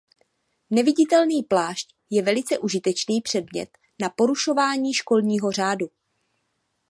Neviditelný plášť je velice užitečný předmět na porušování školního řádu.